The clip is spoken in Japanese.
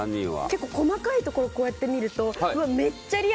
結構細かいところをこうやって見るとうわっ。